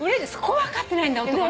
そこ分かってないんだよ